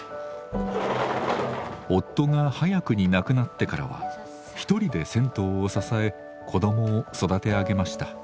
夫が早くに亡くなってからは一人で銭湯を支え子どもを育て上げました。